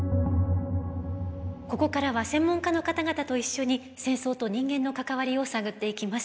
ここからは専門家の方々と一緒に戦争と人間の関わりを探っていきます。